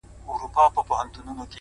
له خپل ځان سره ږغيږي!